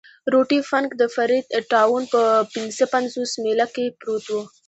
روټي فنک د فري ټاون په پنځه پنځوس میله کې پروت وو.